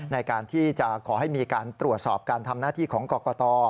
ในการที่จะขอให้มีการตรวจสอบการทำหน้าที่ของกรกต